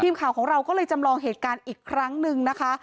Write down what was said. ทีมข่าวของเราก็เลยจำลองเหตุการณ์อีกครั้งหนึ่งนะคะ